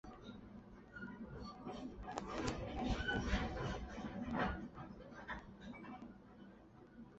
解梦也是古埃及人用来瞭解如何使身体健康的方法之一。